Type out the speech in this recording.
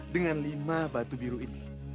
dengan lima batu biru ini